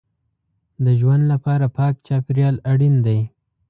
د ژوند لپاره پاک چاپېریال اړین دی.